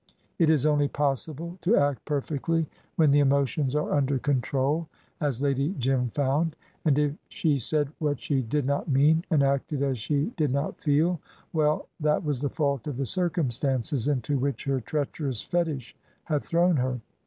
It is only possible to act perfectly when the emotions are under control, as Lady Jim found; and if she said what she did not mean, and acted as she did not feel, well, that was the fault of the circumstances into which her treacherous fetish had thrown her.